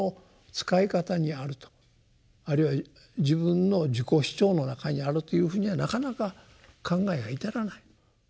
あるいは自分の自己主張の中にあるというふうにはなかなか考えが至らない。